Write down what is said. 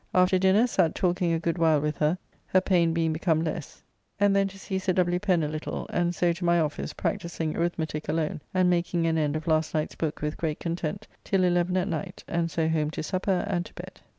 After dinner sat talking a good while with her, her [pain] being become less, and then to see Sir W. Pen a little, and so to my office, practising arithmetique alone and making an end of last night's book with great content till eleven at night, and so home to supper and to bed.